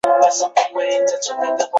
三屋裕子是一名日本前排球运动员。